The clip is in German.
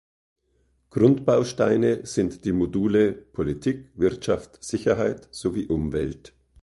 Grundbausteine sind die Module Politik, Wirtschaft, Sicherheit sowie Umwelt.